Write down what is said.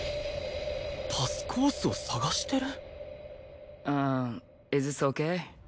パスコースを探してる？